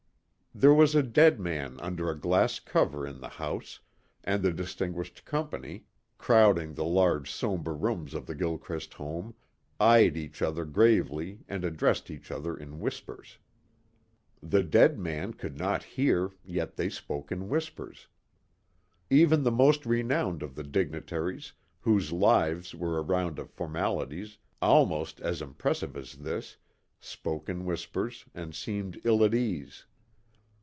There was a dead man under a glass cover in the house and the distinguished company, crowding the large somber rooms of the Gilchrist home, eyed each other gravely and addressed each other in whispers. The dead man could not hear, yet they spoke in whispers. Even the most renowned of the dignitaries whose lives were a round of formalities almost as impressive as this, spoke in whispers and seemed ill at ease.